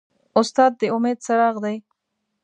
استاد د امید څراغ دی.